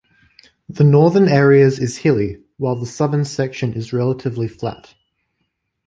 The northern areas is hilly, while the southern section is relatively flat.